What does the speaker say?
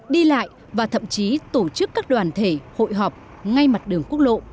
đi lại và thậm chí tổ chức các đoàn thể hội họp ngay mặt đường quốc lộ